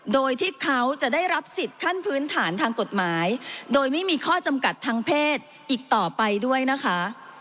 โดยที่เขาจะได้รับสิทธิ์ขั้นพื้นฐานทางกฎหมายโดยไม่มีข้อจำกัดทางเพศอีกต่อไปด้วยนะคะ